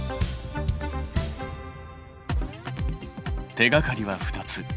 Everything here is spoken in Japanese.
手がかりは２つ。